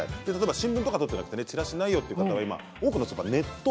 新聞とか取っていなくてチラシないという方は多くの方はネット